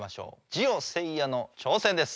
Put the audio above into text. ジオせいやの挑戦です。